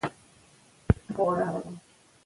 عرضه د توکو او خدماتو مقدار ټاکي.